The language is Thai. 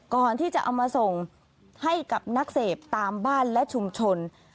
ก่อนที่จะเอามาส่งให้กับนักเสพตามบ้านและชุมชน